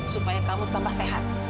supaya kamu tambah sehat